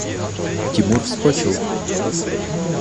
Тимур вскочил.